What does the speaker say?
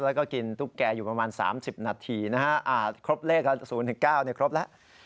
แล้วก็กินตุ๊กแก่อยู่ประมาณ๓๐นาทีนะฮะครบเลข๐๙ครบแล้ว